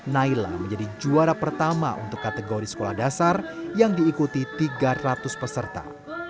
naila menjadi juara pertama untuk kategori sekolah dasar yang diikuti tiga ratus peserta